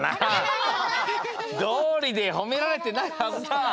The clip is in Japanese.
どうりでほめられてないはずだ！